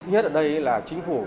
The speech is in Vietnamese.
nhất ở đây là chính phủ